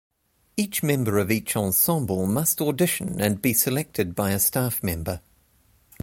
Each member of each ensemble must audition and be selected by a staff member.